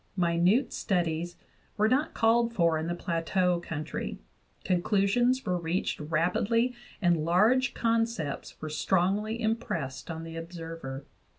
Minute studies were not called for in the Plateau country; conclusions were reached rapidly and large concepts were strongly impressed on the observer.